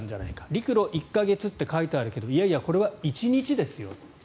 陸路１か月と書いてあるけどいやいや、これは１日ですよと。